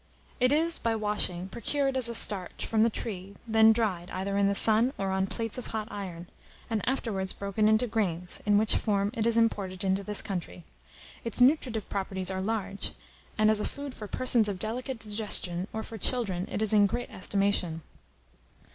It is, by washing, procured as a starch from the tree, then dried, either in the sun or on plates of hot iron, and afterwards broken into grains, in which form it is imported into this country. Its nutritive properties are large, and as a food for persons of delicate digestion, or for children, it is in great estimation.